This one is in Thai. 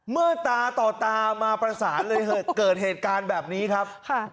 เมื่อตาต่อตามาประสานเลยเกิดเหตุการณ์แบบนี้ครับ